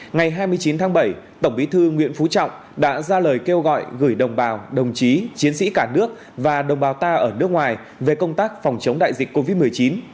ngày hai mươi chín tháng bảy tổng bí thư nguyễn phú trọng đã ra lời kêu gọi gửi đồng bào đồng chí chiến sĩ cả nước và đồng bào ta ở nước ngoài về công tác phòng chống đại dịch covid một mươi chín